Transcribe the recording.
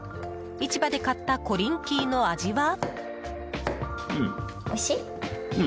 市場で買ったコリンキーの味は？